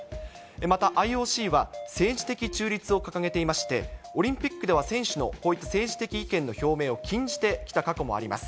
また、ＩＯＣは政治的中立を掲げていまして、オリンピックでは選手のこういった政治的意見の表明を禁じてきた過去もあります。